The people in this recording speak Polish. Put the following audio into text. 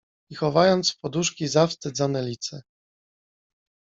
I chowając w poduszki, zawstydzone lice